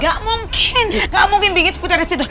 enggak mungkin enggak mungkin putri disitu